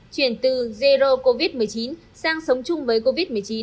chuyển từ zero covid một mươi chín sang sống chung với covid một mươi chín